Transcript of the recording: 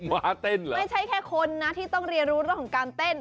เต้นเหรอไม่ใช่แค่คนนะที่ต้องเรียนรู้เรื่องของการเต้น